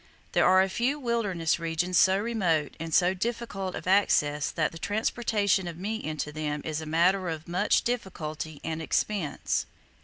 There are a few wilderness regions so remote and so difficult of access that the transportation of meat into them is a matter of much difficulty and expense.